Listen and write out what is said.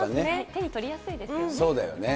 手に取りやすいですよね。